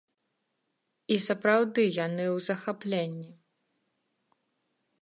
І, сапраўды, яны ў захапленні.